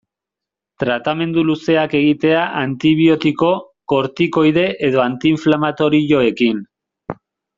Tratamendu luzeak egitea antibiotiko, kortikoide edo anti-inflamatorioekin.